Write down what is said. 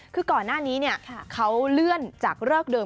คือก่อนหน้านี้เขาเลื่อนจากเลิกเดิม